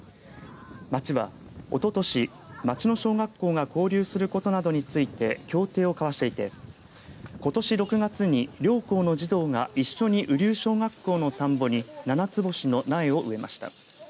町はおととし町の小学校が交流することなどについて協定を交わしていてことし６月に両校の児童が一緒に雨竜小学校の田んぼにななつぼしの苗を植えました。